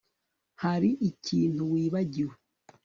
Hari ikintu wibagiwe